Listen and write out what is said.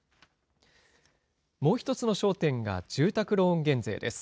もう一つの焦点が住宅ローン減税です。